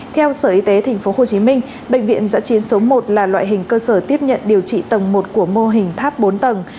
theo sở y tế tp hcm bệnh viện giã chiến số một là loại hình cơ sở tiếp nhận điều trị tầng một của mô hình tháp bốn tầng